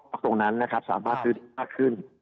ก็ตรงนั้นสามารถซื้อดีมากขึ้น